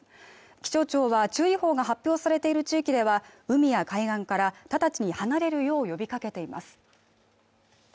気象庁は注意報が発表されている地域では海や海岸から直ちに離れるよう呼びかけています